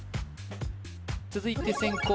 続いて先攻